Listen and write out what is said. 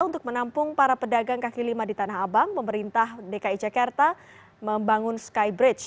untuk menampung para pedagang kaki lima di tanah abang pemerintah dki jakarta membangun skybridge